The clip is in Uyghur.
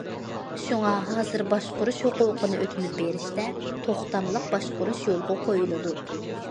شۇڭا ھازىر باشقۇرۇش ھوقۇقىنى ئۆتۈنۈپ بېرىشتە، توختاملىق باشقۇرۇش يولغا قويۇلىدۇ.